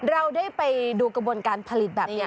เราได้ไปดูกระบวนการผลิตแบบนี้